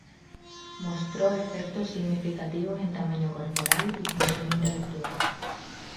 Mostró efectos significativos en tamaño corporal y función intelectual.